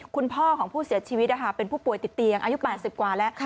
คุณพ่อของผู้เสียชีวิตเป็นผู้ป่วยติดเตียงอายุ๘๐กว่าแล้ว